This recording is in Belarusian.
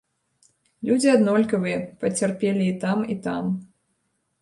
Людзі аднолькавыя, пацярпелі і там, і там.